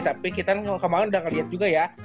tapi kita kemarin udah ngelihat juga ya